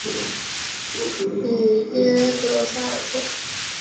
里耶德塞尔特。